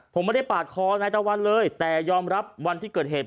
ผมไม่ได้ปาดคอนายตะวันเลยแต่ยอมรับวันที่เกิดเหตุ